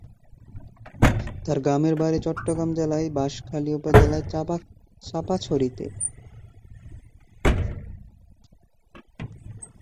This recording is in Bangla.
তার গ্রামের বাড়ি চট্টগ্রাম জেলার বাঁশখালী উপজেলার চাপাছড়িতে।